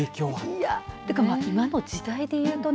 今の時代でいうとね